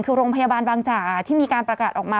คือโรงพยาบาลบางจ่าที่มีการประกาศออกมา